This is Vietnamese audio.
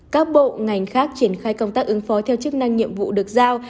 các bộ ngành khác triển khai công tác ứng phó theo chức năng nhiệm vụ được giao